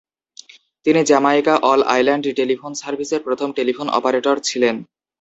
তিনি Jamaica all island telephone সার্ভিসের প্রথম টেলিফোন অপারেটর ছিলেন।